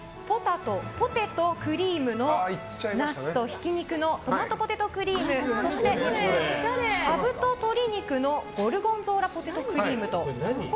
ＰｏｔａｔｏＣｒｅａｍのナスと挽肉のトマトポテトクリームそして、かぶと鶏肉のゴルゴンゾーラポテトクリーム。